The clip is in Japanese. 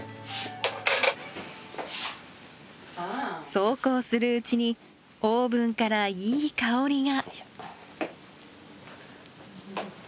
そうこうするうちにオーブンからいい香りが。